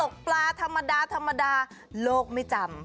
การตกปลาธรรมดาโลกไม่จำ